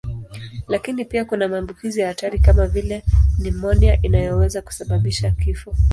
Lakini pia kuna maambukizi ya hatari kama vile nimonia inayoweza kusababisha kifo.